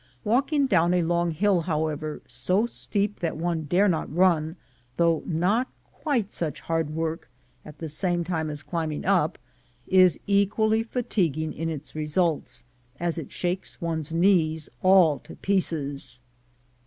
Walking down a long hill, however, so steep that one dare not run, though not quite such hard work at the time as climbing up, is equally fatiguing in its results, as it shakes one's knees all to pieces.